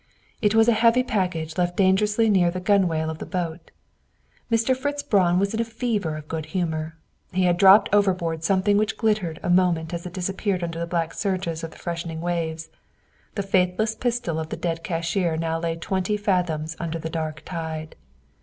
It was a heavy package left dangerously near the gunwale of the boat. Mr. Fritz Braun was in a fever of good humor. He had dropped overboard something which glittered a moment as it disappeared under the black surges of the freshening waves. The faithless pistol of the dead cashier now lay twenty fathoms under the dark tide.